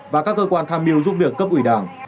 và các cơ quan tham mưu giúp việc cấp ủy đảng